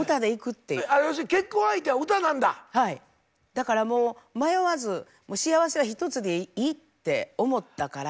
だからもう迷わず幸せは一つでいいって思ったから。